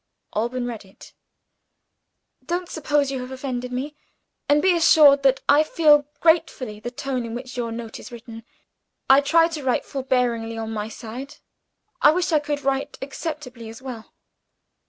Alban read it: "Don't suppose you have offended me and be assured that I feel gratefully the tone in which your note is written. I try to write forbearingly on my side; I wish I could write acceptably as well.